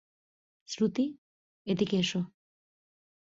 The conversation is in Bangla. শ্রুতি, এদিকে এসো।